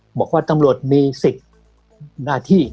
บำว่าก็ว่าตำรวจมี๑๐หน้าที่